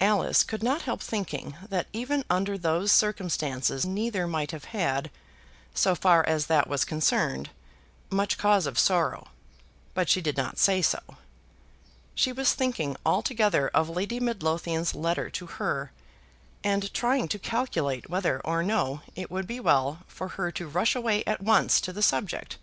Alice could not help thinking that even under those circumstances neither might have had, so far as that was concerned, much cause of sorrow, but she did not say so. She was thinking altogether of Lady Midlothian's letter to her, and trying to calculate whether or no it would be well for her to rush away at once to the subject.